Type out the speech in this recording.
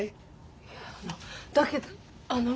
いやあのだけどあの。